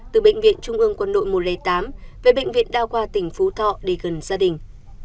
từ bệnh viện trung ương quân đội một trăm linh tám về bệnh viện đa khoa tỉnh phú thọ để gần gia đình